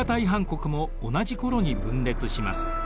国も同じ頃に分裂します。